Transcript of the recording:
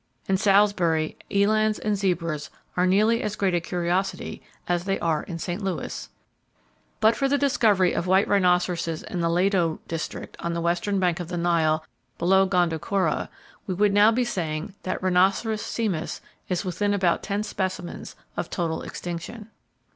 In Salisbury, elands and zebras are nearly as great a curiosity as they are in St. Louis. But for the discovery of white rhinoceroses in the Lado district, on the western bank of the Nile below Gondokoro, we would now be saying that Rhinoceros simus is within about ten specimens of total extinction.